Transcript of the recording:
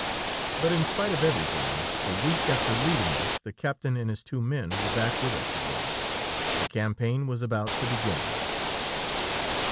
But in spite of everything, a week after leaving us, the captain and his two men were back with us again. The campaign was about to begin.